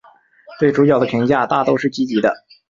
对主角的评价大都是积极的。